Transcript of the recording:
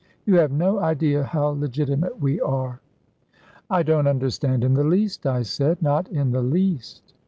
You have no idea how Legitimate we are." "I don't understand in the least," I said; "not in the least."